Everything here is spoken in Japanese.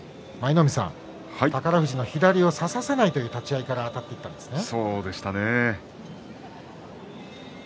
宝富士の左を差させない立ち合いからあたっていったんですね。